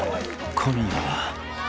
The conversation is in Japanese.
［今夜は］